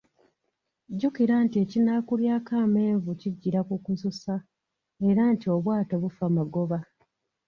Jjukira nti ekinaakulyako amenvu kijjira kukususa, era nti obwato bufa magoba.